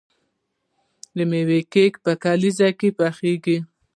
د میوو کیک په کلیزو کې پخیږي.